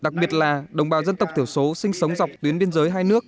đặc biệt là đồng bào dân tộc thiểu số sinh sống dọc tuyến biên giới hai nước